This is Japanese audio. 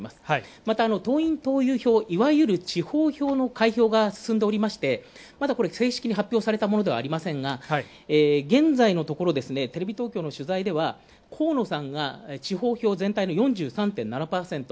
また、党員・党友票、いわゆる地方票の開票が進んでおりまして、まだ正式に発表されたものではありませんが、現在のところテレビ東京の取材では、河野さんが地方票全体の４３．７％。